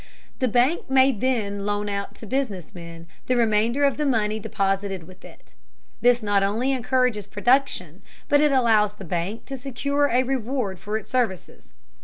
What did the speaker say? The bank may then loan out to business men the remainder of the money deposited with it. This not only encourages production, but it allows the bank to secure a reward for its services.